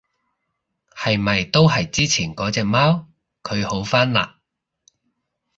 係咪都係之前嗰隻貓？佢好返嘞？